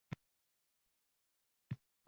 Maʼsuma uyalib, Rajabboyga tik qaray olmadi.